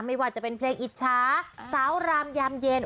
ไม่ว่าจะเป็นเพลงอิจฉาสาวรามยามเย็น